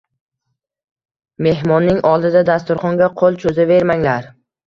Mehmonning oldida dasturxonga qo`l cho`zavermanglar